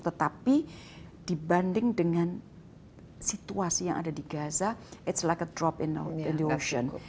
tetapi dibanding dengan situasi yang ada di gaza it s like a drop in the ocean